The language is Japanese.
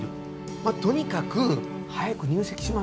まあとにかく早く入籍しましょう。